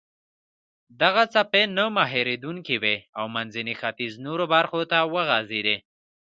دغه څپې نه مهارېدونکې وې او منځني ختیځ نورو برخو ته وغځېدې.